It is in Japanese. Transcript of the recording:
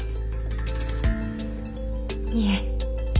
いえ。